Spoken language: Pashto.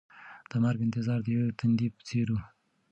د مرګ انتظار د یوې تندې په څېر و.